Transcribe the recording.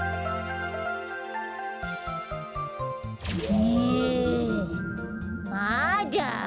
ねえまだ？